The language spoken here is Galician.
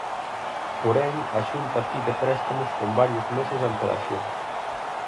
Porén, a Xunta pide préstamos con varios meses de antelación.